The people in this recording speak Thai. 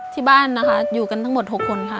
ที่บ้านนะคะอยู่กันทั้งหมด๖คนค่ะ